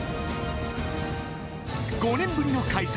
５年ぶりの開催